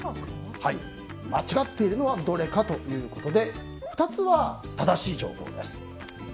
間違っているのはどれかということで２つは正しい情報です。